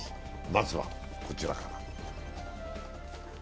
まずはこちらから。